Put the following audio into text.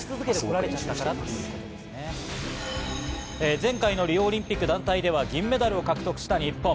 前回のリオオリンピック団体では銀メダルを獲得した日本。